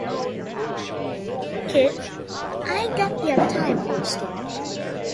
The list is partly derived from Freydank and McIntyre.